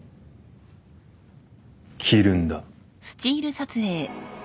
着るんだ